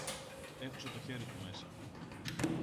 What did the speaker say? έχωσε το χέρι του μέσα